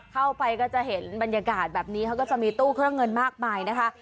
เข้าไปก็จะเห็นบรรยากาศแบบนี้เขาก็จะมีตู้เครื่องเงินมากมายนะคะ